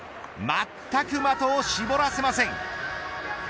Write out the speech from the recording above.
まったく的を絞らせません。